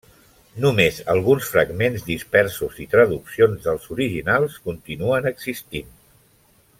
Només alguns fragments dispersos i traduccions dels originals continuen existint.